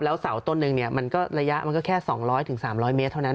แล้วเสาต้นนึงเนี่ยมันก็ระยะมันก็แค่๒๐๐๓๐๐เมตรเท่านั้น